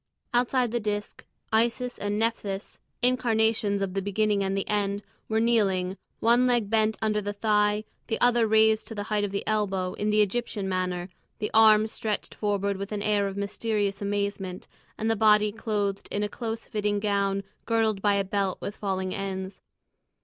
Outside the disc, Isis and Nephthys, incarnations of the Beginning and the End, were kneeling, one leg bent under the thigh, the other raised to the height of the elbow, in the Egyptian attitude, the arms stretched forward with an air of mysterious amazement, and the body clothed in a close fitting gown girdled by a belt with falling ends.